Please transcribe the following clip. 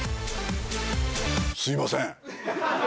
すいません。